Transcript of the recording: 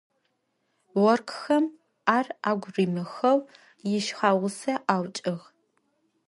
Оркъхэм ар агу римыхьэу ишъхьагъусэ аукӏыгъ.